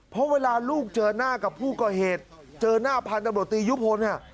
เพราะเวลาลูกเจอหน้ากับผู้ก่อเหตุเจอหน้าพันธบรตียุพล